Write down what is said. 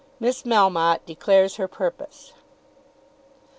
MISS MELMOTTE DECLARES HER PURPOSE.